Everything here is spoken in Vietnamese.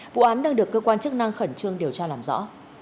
vụ án đang được cơ quan chức năng khẩn trương điều tra làm rõ